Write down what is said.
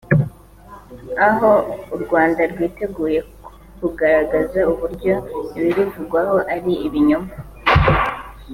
aho u Rwanda rwiteguye kugaragaza uburyo ibiruvugwaho ari “ibinyoma”